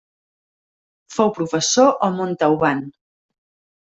Fou professor a Montauban.